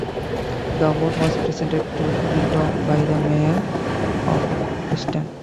The award was presented to Flintoff by the Mayor of Preston.